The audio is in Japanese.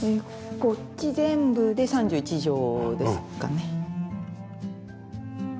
こっち全部で３１畳ですかね。